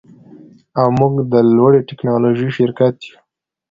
او موږ د لوړې ټیکنالوژۍ شرکت یو